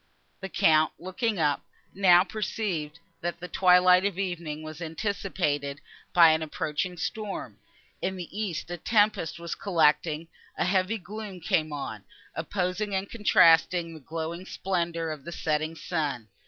The count, looking up, now perceived, that the twilight of evening was anticipated by an approaching storm. In the east a tempest was collecting; a heavy gloom came on, opposing and contrasting the glowing splendour of the setting sun.